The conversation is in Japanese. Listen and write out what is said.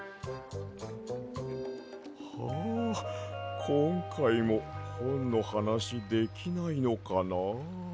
はこんかいもほんのはなしできないのかな。